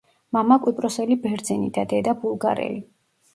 მამა კვიპროსელი ბერძენი და დედა ბულგარელი.